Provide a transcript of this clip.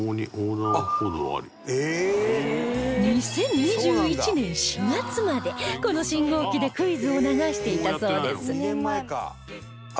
２０２１年４月までこの信号機でクイズを流していたそうです